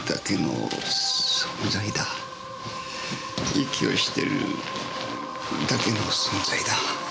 息をしてるだけの存在だ。